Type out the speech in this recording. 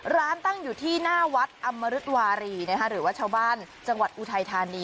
ตั้งอยู่ที่หน้าวัดอำมรุษวารีหรือว่าชาวบ้านจังหวัดอุทัยธานี